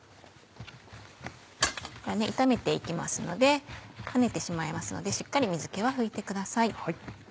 炒めて行きますので跳ねてしまいますのでしっかり水気は拭いてください。